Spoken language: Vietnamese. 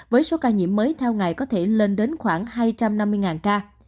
với số ca nhiễm mới theo ngày có thể lên đến khoảng hai trăm năm mươi ca